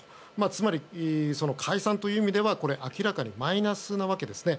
つまり、解散という意味では明らかにマイナスな訳ですね。